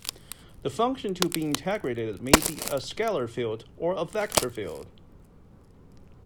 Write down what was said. The function to be integrated may be a scalar field or a vector field.